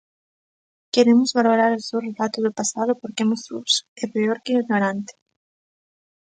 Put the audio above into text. Queremos valorar o seu relato do pasado porque é monstruoso, é peor que ignorante.